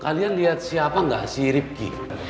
kalian lihat siapa nggak si ripki